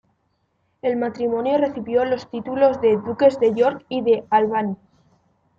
El matrimonio recibió los títulos de duques de York y de Albany.